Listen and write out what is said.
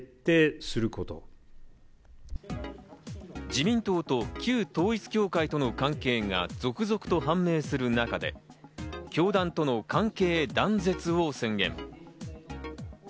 自民党と旧統一教会との関係が続々と判明する中で、教団との関係断絶を宣言。